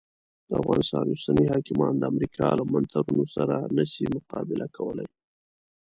د افغانستان اوسني حاکمان د امریکا له منترونو سره نه سي مقابله کولای.